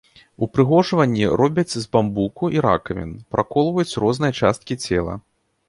Упрыгожванні робяць з бамбуку і ракавін, праколваюць розныя часткі цела.